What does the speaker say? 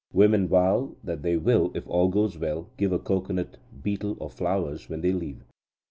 Women vow that they will, if all goes well, give a cocoanut, betel, or flowers when they leave.